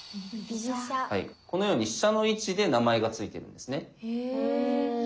このように飛車の位置で名前が付いているんですね。